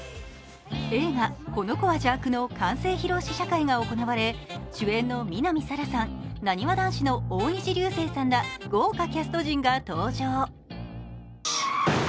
映画「この子は邪悪」の完成披露試写会が行われ、主演の南沙良さん、なにわ男子の大西流星さんら豪華キャスト陣が登場。